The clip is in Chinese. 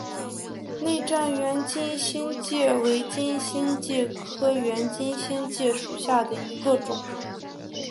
内战圆金星介为金星介科圆金星介属下的一个种。